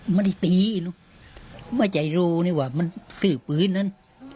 ไม่ได้ตีไม่ใจรู้เนี้ยว่ามันซื้อฝืนนั่น